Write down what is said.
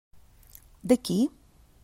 De qui?